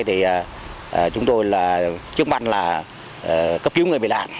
thì chúng tôi chứng minh là cấp cứu người bị nạn